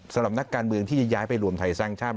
สำหรับนักการเมืองที่จะย้ายไปรวมไทยสร้างชาติ